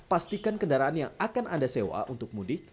pastikan kendaraan yang akan anda sewa untuk mudik